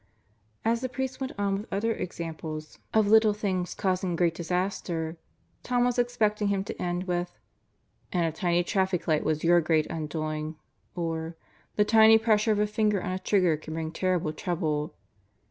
As the priest went on with other examples of 26 God Goes to Murderers Row little things causing great disaster, Tom was expecting him to end with: "And a tiny traffic light was your great undoing," or "The tiny pressure of a finger on a trigger can bring terrible trouble."